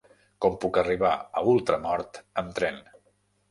Com puc arribar a Ultramort amb tren?